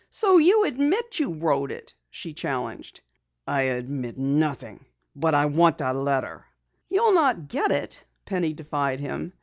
"So you admit you wrote it?" she challenged. "I admit nothing. But I want that letter." "You'll not get it," Penny defied him.